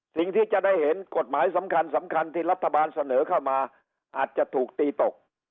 สิ่งที่จะได้เห็นกฎหมายสำคัญสำคัญที่รัฐบาลเสนอเข้ามาอาจจะถูกตีตก